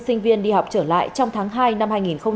sinh viên đi học trở lại trong tháng hai năm hai nghìn hai mươi